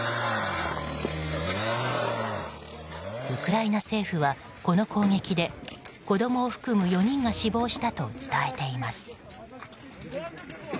ウクライナ政府は、この攻撃で子供を含む４人が死亡したと伝えています。